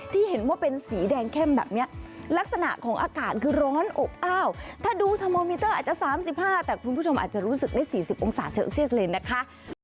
ที่เห็นว่าเป็นสีแดงเข้มแบบนี้ลักษณะของอากาศคือร้อนอบอ้าวถ้าดูธรรมโมมิเตอร์อาจจะ๓๕แต่คุณผู้ชมอาจจะรู้สึกได้๔๐องศาเซลเซียสเลยนะคะ